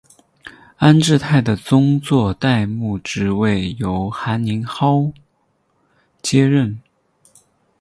安治泰的宗座代牧职位由韩宁镐接任。